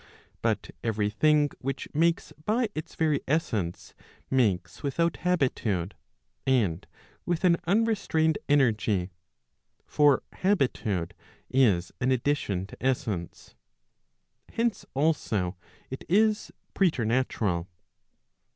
But every thing which makes by its very essence, makes without habitude, and with an unrestrained energy. For habitude is an addition to essence. Hence also it is preternatural.